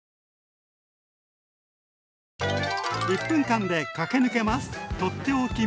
１分間で駆け抜けます！